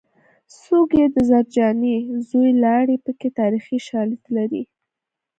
څوک یې د زرجانې زوی لاړې پکې تاریخي شالید لري